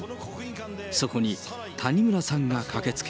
そこに谷村さんが駆けつけ。